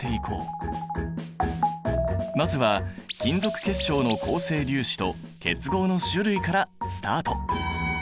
まずは金属結晶の構成粒子と結合の種類からスタート！